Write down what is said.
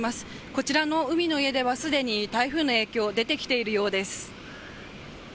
こちらの海の家ではすでに台風の影響、出てきているようです。